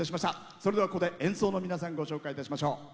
それでは、演奏の皆さんご紹介いたしましょう。